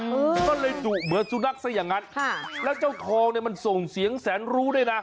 ก็เลยจุเหมือนสุนัขซะอย่างนั้นค่ะแล้วเจ้าทองเนี่ยมันส่งเสียงแสนรู้ด้วยนะ